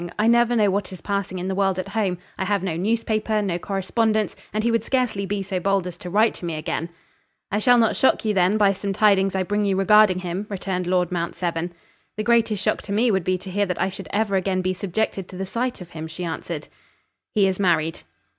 I never know what is passing in the world at home; I have no newspaper, no correspondence; and he would scarcely be so bold as to write to me again." "I shall not shock you, then by some tidings I bring you regarding him," returned Lord Mount Severn. "The greatest shock to me would be to hear that I should ever again be subjected to the sight of him," she answered. "He is married."